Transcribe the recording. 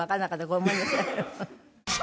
ごめんなさい。